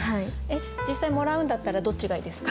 実際もらうんだったらどっちがいいですか？